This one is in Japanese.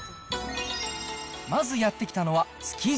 まずやって来たのは築地。